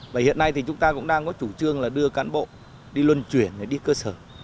và hiện nay chúng ta cũng đang có chủ trương đưa cán bộ đi luân chuyển đi cơ sở